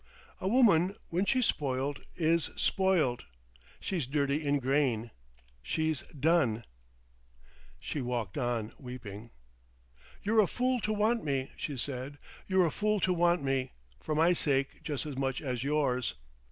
"A woman, when she's spoilt, is spoilt. She's dirty in grain. She's done." She walked on weeping. "You're a fool to want me," she said. "You're a fool to want me—for my sake just as much as yours.